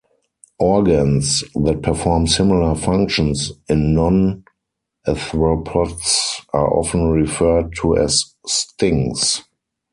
Organs that perform similar functions in non-arthropods are often referred to as stings.